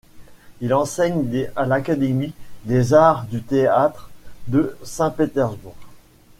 Il enseigne à l'Académie des arts du théâtre de Saint-Pétersbourg.